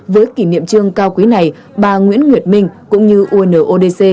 với kỷ niệm trương cao quý này bà nguyễn nguyệt minh cũng như unodc